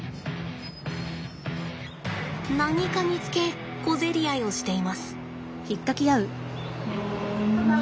何かにつけ小競り合いをしています。